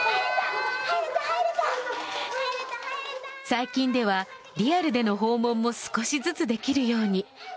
最近ではリアルでの訪問も少しずつできるように。